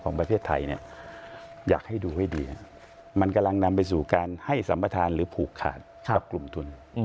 ของประเทศไทยเนี่ยอยากให้ดูให้ดีมันกำลังนำไปสู่การให้สัมประธานหรือผูกขาดกับกลุ่มทุน